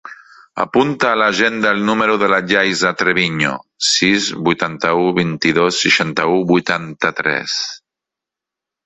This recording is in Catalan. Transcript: Apunta a l'agenda el número de la Yaiza Treviño: sis, vuitanta-u, vint-i-dos, seixanta-u, vuitanta-tres.